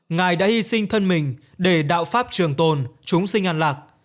ngài đã hy sinh thân mình để đạo pháp trường tồn chúng sinh ăn lạc